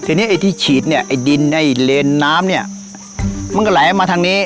ทีนี้ไอ้ที่ฉีดเนี่ยไอ้ดินไอ้เลนน้ำเนี่ยมันก็ไหลมาทางนี้